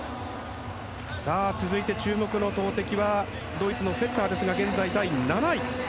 続いて注目の投てきはドイツのフェターですが現在、第７位。